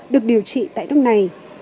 được điều trị tại nước này